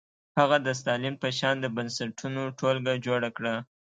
هغه د ستالین په شان د بنسټونو ټولګه جوړه کړه.